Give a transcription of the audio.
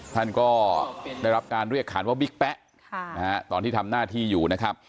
ท่านก็ได้รับการเรียกขานว่าบิ๊กแป๊ะตอนที่ทำหน้าที่อยู่นะครับ